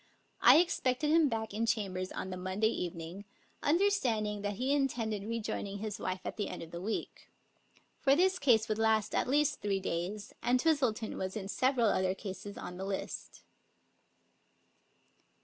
I expected him back in chambers on the Monday evening, understanding that he intended rejoining his wife at the end of the week; for this case would last at least three days, and Twistleton was in several other cases on the list.